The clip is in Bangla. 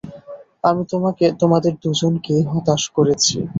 আমি তোমাদের দুজনকেই হতাশ করেছি।